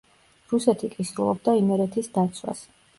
რუსეთი კისრულობდა იმერეთის დაცვას.